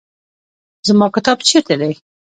زما کتاب چیرته دی؟